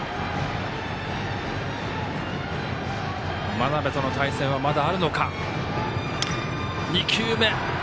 真鍋との対戦はまだ、あるのか。